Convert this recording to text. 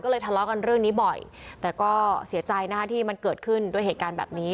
ก็เลยทะเลาะกันเรื่องนี้บ่อยแต่ก็เสียใจนะคะที่มันเกิดขึ้นด้วยเหตุการณ์แบบนี้